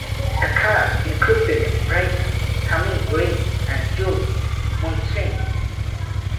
The cast included Bracken, Tammy Grimes, and Jules Munshin.